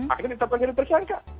akhirnya tetap menjadi tersangka